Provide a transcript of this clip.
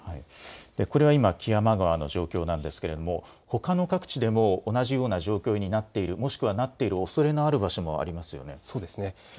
これは今、木山川の状況なんですがほかの各地でも同じような状況になっている、もしくはなっているおそれのある場所もありますよね。